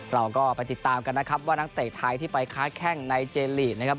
เราก็ไปติดตามกันนะครับว่านักเตะไทยที่ไปค้าแข้งในเจนลีกนะครับ